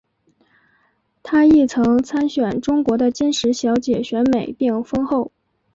她亦曾参选中国的金石小姐选美并封后。